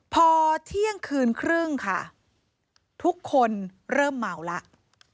พอเที่ยงคืนครึ่งค่ะทุกคนเริ่มเมาแล้ว